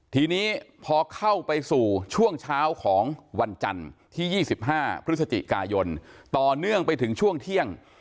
ทีนี้พอเข้าไปสู่ช่วงเช้าของวันจันทร์ที่๒๕พฤศจิกายนต่อเนื่องไปถึงช่วงเที่ยง